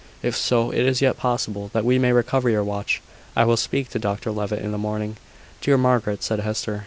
"If so, it is yet possible that we may recover your watch. I will speak to Dr Levitt in the morning." "Dear Margaret!" said Hester.